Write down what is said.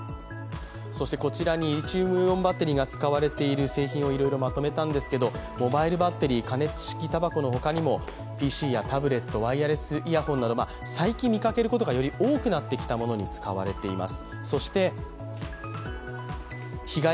こちらにリチウムイオンバッテリーが使われている製品をいろいろまとめたんですが、モバイルバッテリー、加熱式たばこのほかにもＰＣやタブレット、ワイヤレスイヤホンなど、最近見かけることが、より多くなってきたものに使われています。